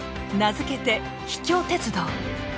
名付けて「秘境鉄道」。